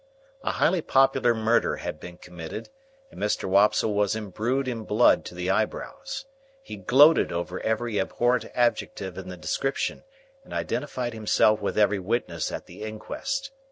A highly popular murder had been committed, and Mr. Wopsle was imbrued in blood to the eyebrows. He gloated over every abhorrent adjective in the description, and identified himself with every witness at the Inquest.